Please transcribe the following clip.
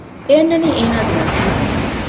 އެ އަންނަނީ އޭނާގެ ނަޒީރު